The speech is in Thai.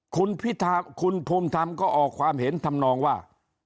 คุณภูมิธรรมก็ออกความเห็นทำนองว่า